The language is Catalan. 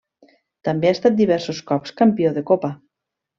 També ha estat diversos cops campió de copa.